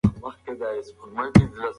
د څېړنې پایلې د شواهدو پر اساس دي.